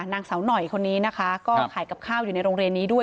นางสาวหน่อยคนนี้นะคะก็ขายกับข้าวอยู่ในโรงเรียนนี้ด้วย